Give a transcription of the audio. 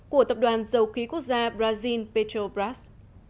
của tập đoàn dầu khí quốc gia brazil petrobras